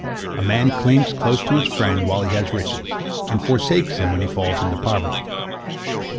A man clings close to his friend while he has riches, and forsakes him when he falls into poverty.